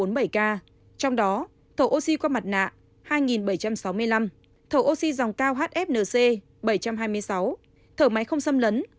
trong đó thở oxy qua mặt nạ hai bảy trăm sáu mươi năm thở oxy dòng cao hfnc bảy trăm hai mươi sáu thở máy không xâm lấn một trăm một mươi